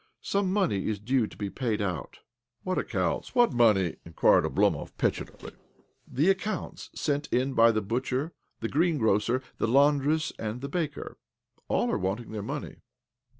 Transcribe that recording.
Some money is due to be paid out." "What accoimts? What money?" in quired Oblomov petulantly. " The accovmts sent in by the butcher, the greengrocer, the laundress, and the baker. All are wanting their money."